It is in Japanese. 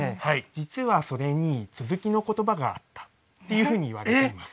実はそれに続きの言葉があったっていうふうにいわれています。